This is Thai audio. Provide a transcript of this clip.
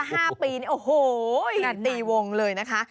มา๕ปีนี่โอ้โฮงัดดีวงเลยนะคะ